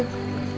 ah ada apa ini